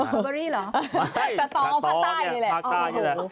สตอเบอรี่เหรอสตอพักใต้นี่แหละพักใต้นี่แหละ